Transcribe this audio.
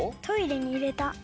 トイレに入れた。